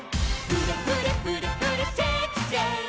「フレフレフレフレシェイクシェイク」